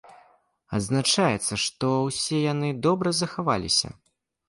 Адзначаецца, што ўсе яны добра захаваліся.